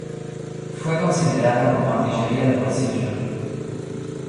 Fue considerada como artillería de bolsillo.